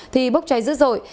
thì bốc cháy dữ dội